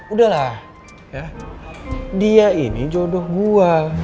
udah lah dia ini jodoh gue